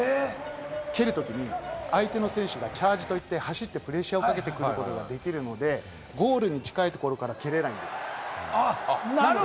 蹴るときに、相手の選手がチャージと行って、走ってプレッシャーかけてくることができるので、ゴールに近いところから蹴れないんです。